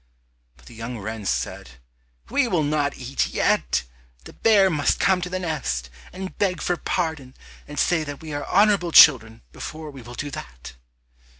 But the young wrens said, "We will not eat yet, the bear must come to the nest, and beg for pardon and say that we are honorable children, before we will do that."